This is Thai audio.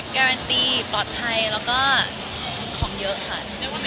การันตีปลอดภัยแล้วก็ของเยอะค่ะ